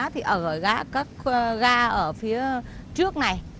thì gửi ga các ga ở phía trước này